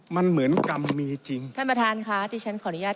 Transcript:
มันเหมือนกรรมมีจริงท่านประธานค่ะที่ฉันขออนุญาต